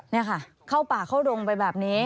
นี่ค่ะเข้าป่าเข้าดงไปแบบนี้